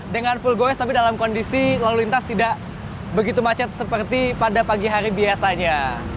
dengan full goes tapi dalam kondisi lalu lintas tidak begitu macet seperti pada pagi hari biasanya